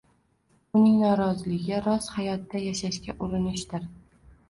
Uning noroziligi rost hayotda yashashga urinishdir.